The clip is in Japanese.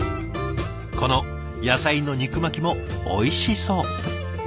この野菜の肉巻きもおいしそう！